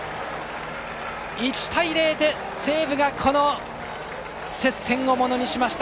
１対０で西武がこの接戦をものにしました。